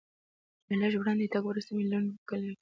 له لږ وړاندې تګ وروسته مې له لوند کلي څخه.